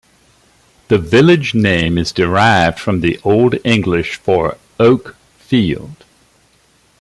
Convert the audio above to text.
The village name is derived from the Old English for "Oak Field".